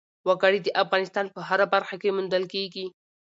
وګړي د افغانستان په هره برخه کې موندل کېږي.